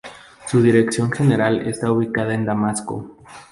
Su dirección general está ubicada en Damasco.